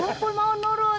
udah ngumpul mau nurut